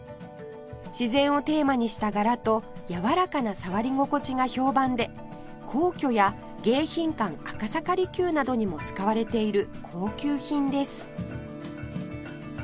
自然をテーマにした柄とやわらかな触り心地が評判で皇居や迎賓館赤坂離宮などにも使われている高級品です